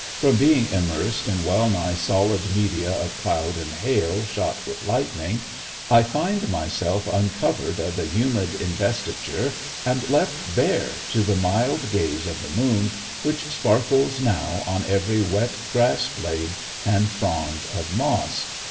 From being immersed in well nigh solid media of cloud and hail shot with lightning, I find myself uncovered of the humid investiture and left bare to the mild gaze of the moon, which sparkles now on every wet grass blade and frond of moss.